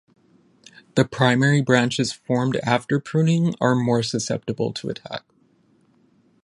The primary branches formed after pruning are more susceptible to attack.